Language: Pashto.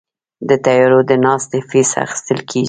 د طیارو د ناستې فیس اخیستل کیږي؟